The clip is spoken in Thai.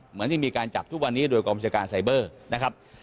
เหมือนที่มีการจับทุกวันนี้โดยกองบัญชาการไซเบอร์นะครับ